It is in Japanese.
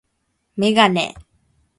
メガネ